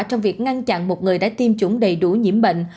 trong việc ngăn chặn một người đã tiêm chủng đầy đủ nhiễm bệnh